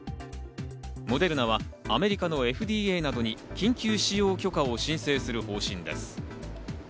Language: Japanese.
モデルナはアメリカのＦＤＡなどに緊急使用許可を申請する方針です。